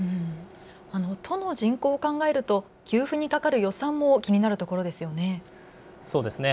都の人口を考えると給付にかかる予算も気になるところですよね。